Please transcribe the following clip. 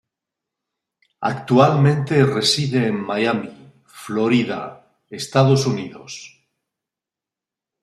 Actualmente reside en Miami, Florida Estados Unidos.